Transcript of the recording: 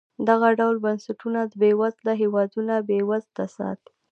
دغه ډول بنسټونه بېوزله هېوادونه بېوزله ساتي.